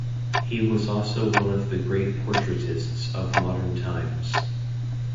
He was also one of the great portraitists of modern times.